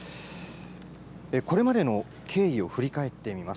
これまでの経緯を振り返ってみます。